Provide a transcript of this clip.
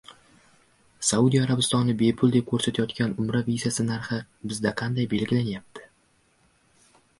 Saudiya Arabistoni bepul deb ko‘rsatayotgan umra vizasi narxi bizda qanday belgilanyapti?